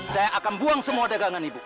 saya akan buang semua dagangan ibu